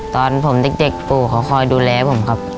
ตอนผมเด็กปู่เขาคอยดูแลผมครับ